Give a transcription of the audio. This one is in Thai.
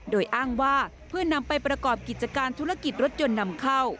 โดยอ้างว่าเพื่อนำไปประกอบกิจการธุรกิจรถยนต์นำเข้า